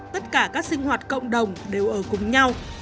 tất cả các sinh hoạt cộng đồng đều ở cùng nhau